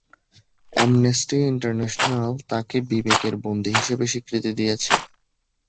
Amnesty International তাকে বিবেকের বন্দী হিসেবে স্বীকৃতি দিয়েছে।